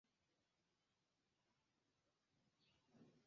Li estas adorata kiel unu el patronoj de ĉeĥaj landoj.